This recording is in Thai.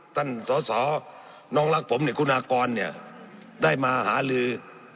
ท่านสอสอน้องรักผมเนี่ยคุณอากรเนี่ยได้มาหาลือ